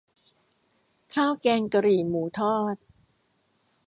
ข้าวแกงกะหรี่หมูทอด